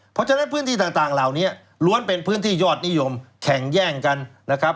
เพราะฉะนั้นพื้นที่ต่างเหล่านี้ล้วนเป็นพื้นที่ยอดนิยมแข่งแย่งกันนะครับ